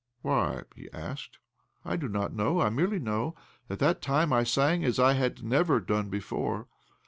"Why?" he asked. " I do not know. I merely know that that time I sang as I jhad never done before.